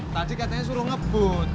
tadi katanya suruh ngebut